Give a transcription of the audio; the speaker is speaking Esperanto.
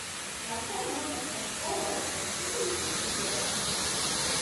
La fono estas oro en ĉiuj sekcioj.